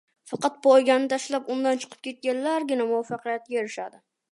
Faqat poygani tashlab, undan chiqib ketganlargina muvaffaqiyatga erisha olishadi